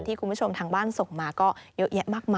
คุณผู้ชมทางบ้านส่งมาก็เยอะแยะมากมาย